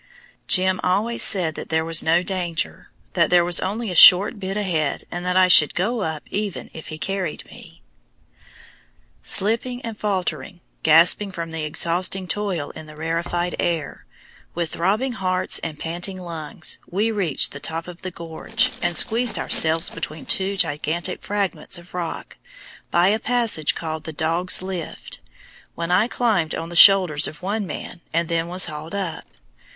"Jim" always said that there was no danger, that there was only a short bad bit ahead, and that I should go up even if he carried me! Slipping, faltering, gasping from the exhausting toil in the rarefied air, with throbbing hearts and panting lungs, we reached the top of the gorge and squeezed ourselves between two gigantic fragments of rock by a passage called the "Dog's Lift," when I climbed on the shoulders of one man and then was hauled up.